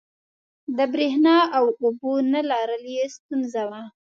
د برېښنا او اوبو نه لرل یې ستونزه وه.